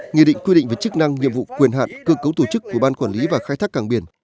nghị định quy định về chức năng nhiệm vụ quyền hạn cơ cấu tổ chức của ban quản lý và khai thác cảng biển